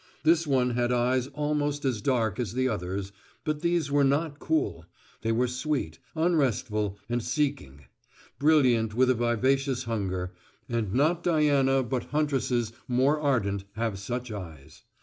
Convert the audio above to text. This one had eyes almost as dark as the other's, but these were not cool; they were sweet, unrestful, and seeking; brilliant with a vivacious hunger: and not Diana but huntresses more ardent have such eyes.